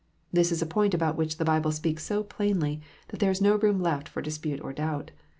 This is a point about which the Bible speaks so plainly that there is no room left for dispute or doubt.